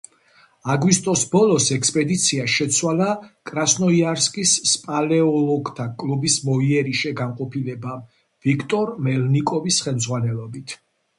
აგვისტოს ბოლოს ექსპედიცია შეცვალა კრასნოიარსკის სპელეოლოგთა კლუბის მოიერიშე განყოფილებამ ვიქტორ მელნიკოვის ხელმძღვანელობით.